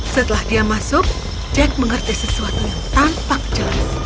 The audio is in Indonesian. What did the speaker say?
setelah dia masuk jack mengerti sesuatu yang tampak jelas